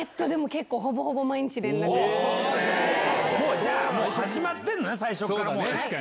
結構ほぼほぼ毎日連絡を。始まってたのね、最初から。